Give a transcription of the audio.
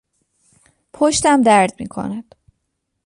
پشتم درد میکند.